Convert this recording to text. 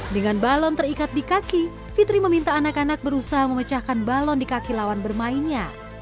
dengan balon terikat di kaki fitri meminta anak anak berusaha memecahkan balon di kaki lawan bermainnya